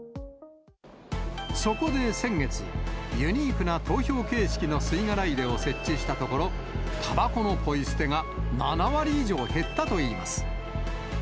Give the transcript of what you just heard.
そこで先月、ユニークな投票形式の吸い殻入れを設置したところ、たばこのポイ捨てが７割以上減ったといいます。